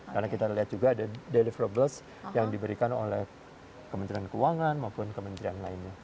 karena kita lihat juga ada deliverables yang diberikan oleh kementerian keuangan maupun kementerian lainnya